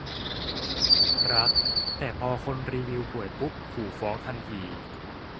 รัก แต่พอคนรีวิวห่วยปุ๊บขู่ฟ้องทันที